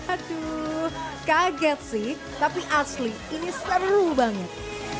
aduh kaget sih tapi asli ini seru banget